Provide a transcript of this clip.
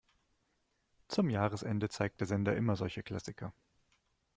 Zum Jahresende zeigt der Sender immer solche Klassiker.